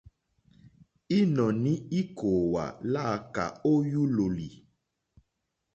Ínɔ̀ní íkòòwà lǎkà ó yúlòlì.